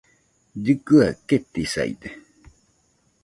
Llikɨaɨ ketisaide